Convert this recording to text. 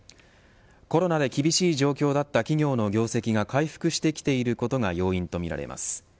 コロナで厳しい状況だった企業の業績が回復してきていることが要因とみられます。